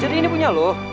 jadi ini punya lo